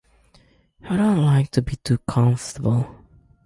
I don't like to be too comfortable.